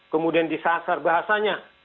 kemudian disasar bahasanya